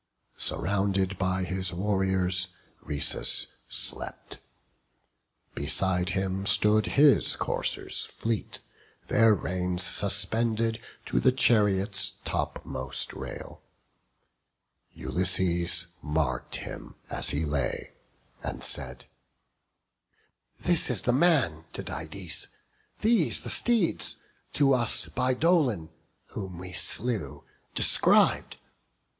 Surrounded by his warriors, Rhesus slept; Beside him stood his coursers fleet, their reins Suspended to the chariot's topmost rail: Ulysses mark'd him as he lay, and said, "This is the man, Tydides, these the steeds, To us by Dolon, whom we slew, describ'd.